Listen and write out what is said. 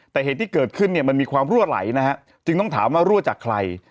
แต่เหตุที่เกิดขึ้นเนี่ยมันมีความรั่วไหลนะฮะจึงต้องถามว่ารั่วจากใคร